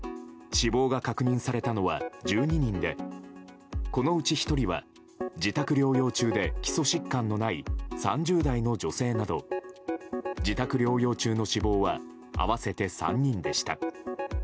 死亡が確認されたのは１２人でこのうち１人は自宅療養中で基礎疾患のない３０代の女性など自宅療養中の死亡は合わせて３人でした。